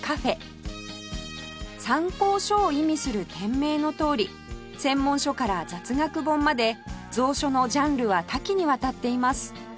参考書を意味する店名のとおり専門書から雑学本まで蔵書のジャンルは多岐にわたっています